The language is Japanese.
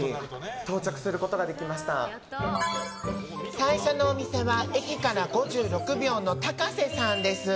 最初のお店は駅から５６秒のタカセさんです。